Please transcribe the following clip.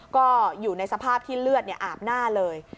ก็อยู่ในสภาพที่เลือดอาบหน้าเลย